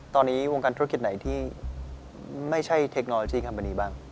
ตอนนี้วงการธุรกิจไหนที่ไม่ใช่เทคโนโลยีคัมมณีบ้าง